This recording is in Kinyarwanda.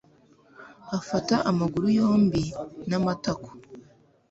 ifata amaguru yombi n'amatako